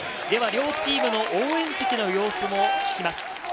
両チームの応援席の様子も聞きます。